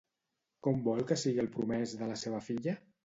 Com vol que sigui el promès de la seva filla?